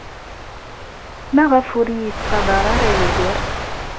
Maɣef ur iyi-yettqadar ara Yidir?